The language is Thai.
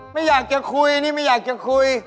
ไม่อยากจะคุยนี่ไม่อยากจะคุย